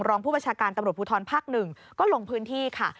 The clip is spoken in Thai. รองผู้บัญชาการตำรวจภูทรภาค๑ก็ลงพื้นที่ค่ะ